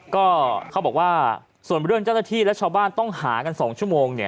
ก็เขาบอกว่าส่วนเรื่องเจ้าหน้าที่และชาวบ้านต้องหากัน๒ชั่วโมง